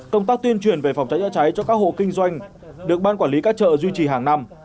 công tác tuyên truyền về phòng cháy chữa cháy cho các hộ kinh doanh được ban quản lý các chợ duy trì hàng năm